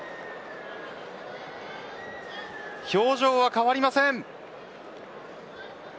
表情は変わりません。